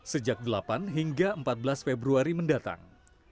sejak delapan hingga empat belas februari mendatang